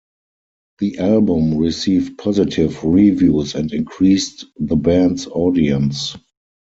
The album received positive reviews and increased the band's audience.